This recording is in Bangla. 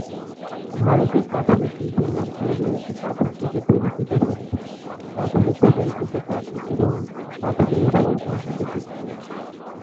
ভারতের পাথুরে শিল্পের মধ্যে রয়েছে পাথর কেটে তৈরিকৃত বস্তু, পাথরে খোদাইকৃত কাজ এবং পাথরের উপর অঙ্কিত চিত্র।